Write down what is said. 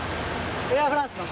エアフランスの。